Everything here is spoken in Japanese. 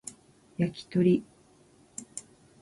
焼き鳥